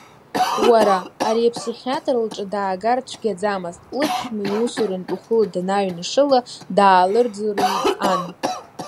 Уара, ари аԥсихиатр лҿы даагар цәгьаӡамызт, лыԥшәма, иусурантә уахыла данааҩнашыла, даалырӡрҩит ан.